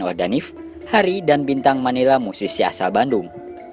organif hari dan bintang manila musisi asal bandung